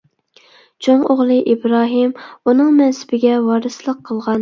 چوڭ ئوغلى ئىبراھىم ئۇنىڭ مەنسىپىگە ۋارىسلىق قىلغان.